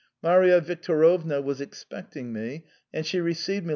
Maria Yictorovna was expecting me and greeted me as